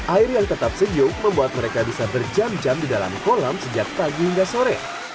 air yang tetap sejuk membuat mereka bisa berjam jam di dalam kolam sejak pagi hingga sore